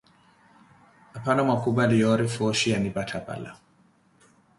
Aphano mwakhupali yoori fooxhi yanipattha pala!